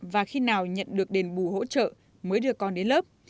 và khi nào nhận được đền bù hỗ trợ mới đưa con đến lớp